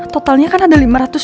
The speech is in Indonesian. totalnya kan ada yang berpengaruh